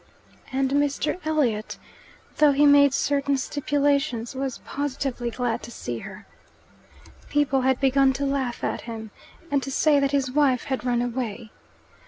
And Mr. Elliot, though he made certain stipulations, was positively glad to see her. People had begun to laugh at him, and to say that his wife had run away.